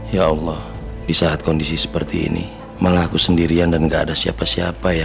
ya allah di saat kondisi seperti ini malah aku sendirian dan gak ada siapa siapa ya